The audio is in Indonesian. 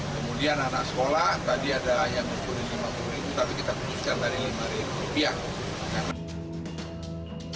kemudian anak sekolah tadi ada yang berpunyai lima puluh ribu tapi kita putuskan dari lima ribu rupiah